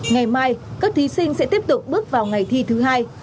ngày mai các thí sinh sẽ tiếp tục bước vào ngày thi thứ hai